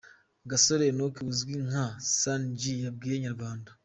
Gasore Enoc uzwi nka San G yabwiye inyarwanda.